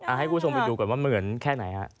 ให้คุณผู้ชมไปดูก่อนว่าเหมือนแค่ไหนฮะ